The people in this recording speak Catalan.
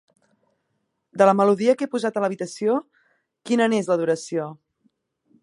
De la melodia que he posat a l'habitació, quina n'és la duració?